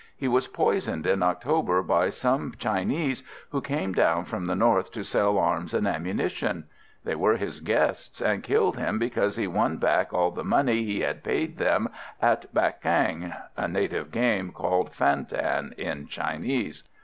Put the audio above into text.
"He was poisoned in October by some Chinese who came down from the north to sell arms and ammunition. They were his guests, and killed him because he won back all the money he had paid them at bacquang (a native game called fan tan in Chinese).